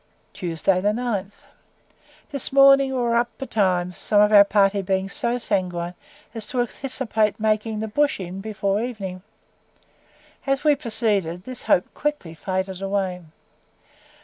THURSDAY, 9. This morning we were up betimes, some of our party being so sanguine as to anticipate making the "Bush Inn" before evening. As we proceeded, this hope quickly faded away.